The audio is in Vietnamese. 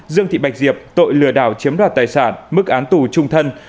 dương thị bạch diệp tội lừa đảo chiếm đoạt tài sản mức án tù trung thân